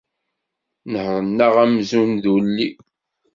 Nehren-aɣ amzun d ulli.